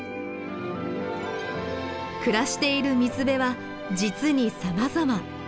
暮らしている水辺は実にさまざま。